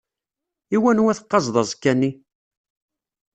I wanwa teqqazeḍ aẓekka-nni?